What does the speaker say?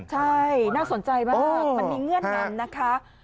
ใช่น่าสนใจมากมันมีเงื่อนงำนะคะ